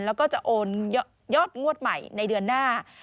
แล้วก็จะโอนยอดงวดใหม่ในเดือนหน้า